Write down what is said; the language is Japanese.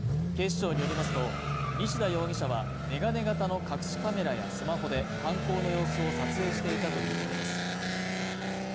警視庁によりますと、西田容疑者は、眼鏡型の隠しカメラやスマホで犯行の様子を撮影していたということです。